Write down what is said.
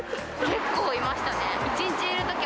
結構いましたね。